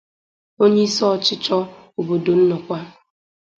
onyeisi ọchịchị obodo Nnọkwa